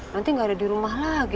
nanti nggak ada di rumah lagi